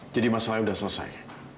jadi masalah ini sudah selesai